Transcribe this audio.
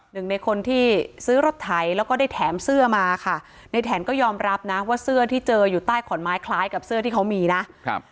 หนึ่งในคนที่ซื้อรถไถแล้วก็ได้แถมเสื้อมาค่ะในแถนก็ยอมรับนะว่าเสื้อที่เจออยู่ใต้ขอนไม้คล้ายกับเสื้อที่เขามีนะครับ